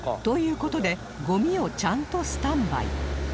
という事でゴミをちゃんとスタンバイ